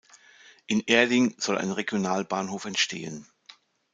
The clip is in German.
In Erding soll ein Regionalbahnhof entstehen.